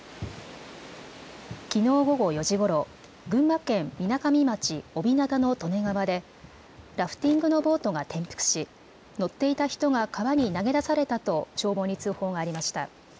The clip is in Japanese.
きのう午後４時ごろ、群馬県みなかみ町小日向の利根川でラフティングのボートが転覆し乗っていた人が川に投げ出されたと消防に通報がありました。